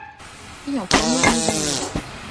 Les filles en première division.